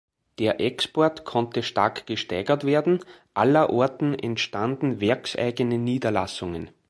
Der Export konnte stark gesteigert werden, allerorten entstanden werkseigene Niederlassungen.